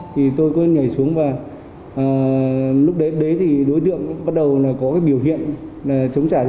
thì tôi cứ nhảy xuống và lúc đấy thì đối tượng bắt đầu có biểu hiện chống trả